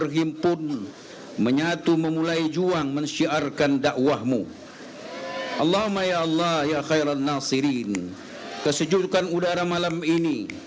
silakan pak kiai